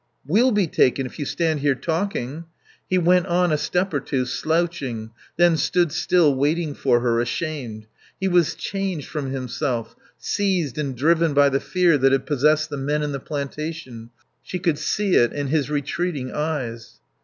"We'll be taken if you stand here talking." He went on a step or two, slouching; then stood still, waiting for her, ashamed. He was changed from himself, seized and driven by the fear that had possessed the men in the plantation. She could see it in his retreating eyes.